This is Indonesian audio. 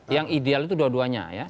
yang ideal itu dua duanya ya